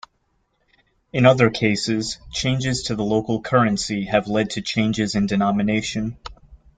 In other cases, changes to the local currency have led to changes in denomination.